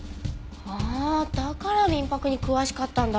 ああだから民泊に詳しかったんだ。